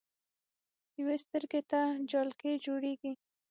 يوې سترګې ته جالکي جوړيږي